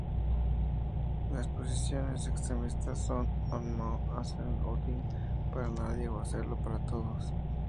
Las posiciones extremistas son o no hacer outing para nadie o hacerlo para todos.